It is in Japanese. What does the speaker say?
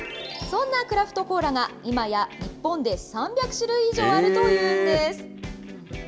そんなクラフトコーラが、今や日本で３００種類以上あるというんです。